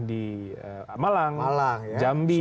di malang jambi